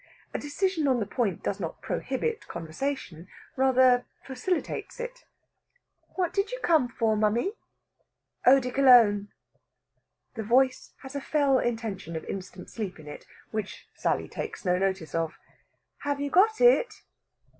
A decision on the point does not prohibit conversation, rather facilitates it. "What did you come for, mammy?" "Eau de Cologne." The voice has a fell intention of instant sleep in it which Sally takes no notice of. "Have you got it?"